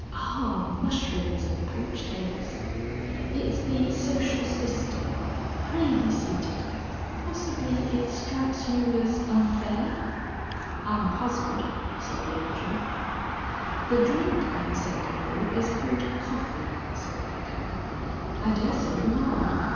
Ah! mushrooms and poached eggs! It's the Social System. Pray be seated. Possibly it strikes you as unfair?" "I'm puzzled," said the Angel. "The drink I'm sending you is called coffee," said the Vicar. "I daresay you are.